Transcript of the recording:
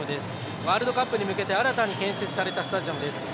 ワールドカップに向けて新たに建設されたスタジアムです。